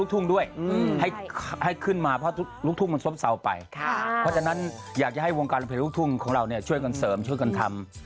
ลูกทุ่งด้วยให้ให้ขึ้นมาเพราะลูกทุ่งมันซ้อมซาวไปค่ะเพราะฉะนั้นอยากจะให้วงการภายลูกทุ่งของเราเนี่ยช่วยกันเสริมช่วยกันทำ